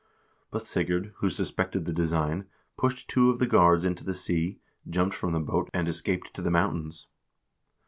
But Sigurd, who suspected the design, pushed two of the guards into the sea, jumped from the boat and escaped to the mountains.